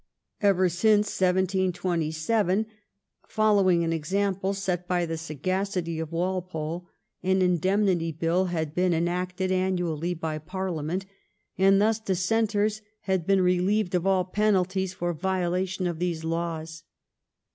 Ever since 1727, following an example set by the sagacity of Walpole, an In demnity Bill had been enacted annually ^ by Parliament, and thus Dissentei s had been relieved of all penalties for violation of these laws.